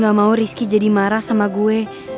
saya tidak mau risky jadi marah sama saya